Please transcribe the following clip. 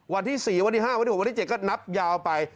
วันที่๔วันที่๕วันที่๖วันที่๗ก็นับยาวไป